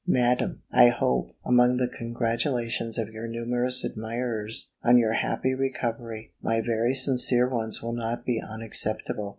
"MADAM, "I hope, among the congratulations of your numerous admirers, on your happy recovery, my very sincere ones will not be unacceptable.